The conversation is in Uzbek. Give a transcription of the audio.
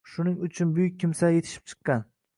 Shunig uchun buyuk kimsalar yetishib chiqqan.